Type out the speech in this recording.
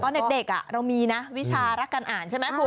ตอนเด็กเรามีนะวิชารักการอ่านใช่ไหมคุณ